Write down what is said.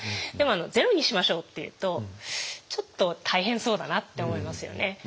でも「ゼロにしましょう」って言うとちょっと大変そうだなって思いますよね。